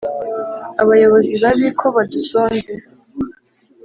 abayobozi babi ko badusonze